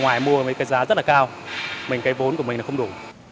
ngoài mua với cái giá rất là cao mình cái vốn của mình là không đủ